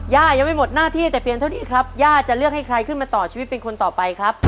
ย่ายังไม่หมดหน้าที่แต่เพียงเท่านี้ครับย่าจะเลือกให้ใครขึ้นมาต่อชีวิตเป็นคนต่อไปครับ